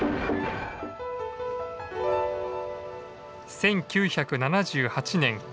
１９７８年９月。